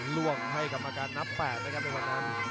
ล่วงให้กรรมการนับ๘นะครับในวันนั้น